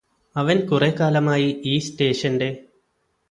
അവന് കുറേക്കാലമായി ഈ സ്റ്റേഷന്റെ